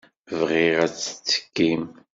Bɣiɣ ad tettekkim.